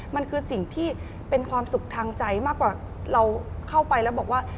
มันคือสิ่งที่เป็นความสุขทางใจมากกว่าเราเข้าไปแล้วบอกว่า